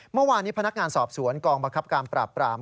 เมื่อวานนี้พนักงานสอบสวนกองบังคับการปราบปราม